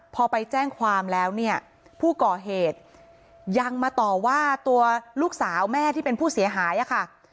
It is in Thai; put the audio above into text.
พอไปแจ้งความแล้วเนี่ยผู้ก่อเหตุยังมาต่อว่าตัวลูกสาวแม่ที่เป็นผู้เสียหายค่ะ